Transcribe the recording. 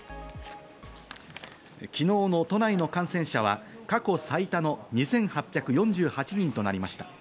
昨日の都内の感染者は過去最多の２８４８人となりました。